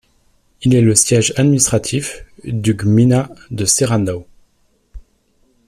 Il est le siège administratif du gmina de Ceranów.